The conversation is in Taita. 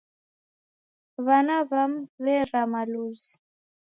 W'ana w'amu w'aw'erama luzi.